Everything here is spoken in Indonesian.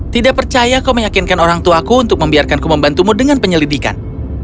tidak percaya kau meyakinkan orang tuaku untuk membiarkanku membantumu dengan penyelidikan